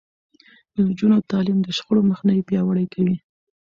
د نجونو تعليم د شخړو مخنيوی پياوړی کوي.